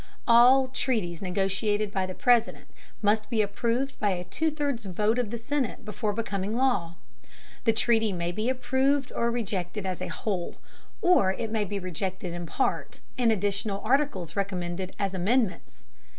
All treaties negotiated by the President must be approved by a two thirds vote of the Senate before becoming law. The treaty may be approved or rejected as a whole, or it may be rejected in part, and additional articles recommended as amendments.